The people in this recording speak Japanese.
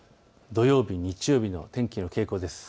土曜日、日曜日の天気の傾向です。